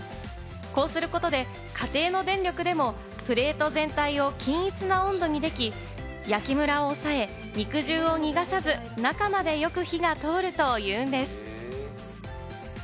こうすることで、家庭の電力でもプレート全体を均一な温度にでき、焼きムラを抑え、肉汁を逃がさず、中までよく火が通るというんです。